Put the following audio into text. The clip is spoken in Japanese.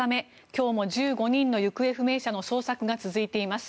今日も１５人の行方不明者の捜索が続いています。